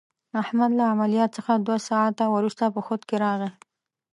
احمد له عملیات څخه دوه ساعته ورسته په خود کې راغی.